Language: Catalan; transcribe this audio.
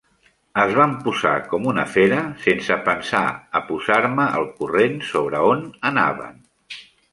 Es van posar com una fera, sense pensar a posar-me al corrent sobre on anaven.